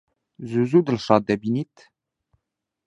زوو زوو دڵشاد دەبینیت؟